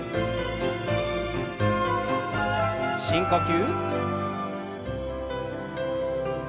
深呼吸。